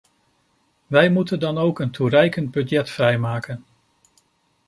Wij moeten dan ook een toereikend budget vrijmaken.